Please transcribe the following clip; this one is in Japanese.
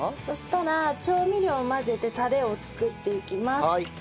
そしたら調味料を混ぜてタレを作っていきます。